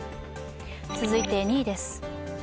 続いて２位です。